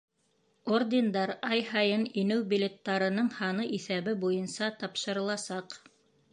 Ордендар ай һайын инеү билеттарының һаны иҫәбе буйынса тапшырыласаҡ.